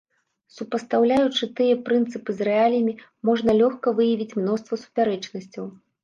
Супастаўляючы тыя прынцыпы з рэаліямі, можна лёгка выявіць мноства супярэчнасцяў.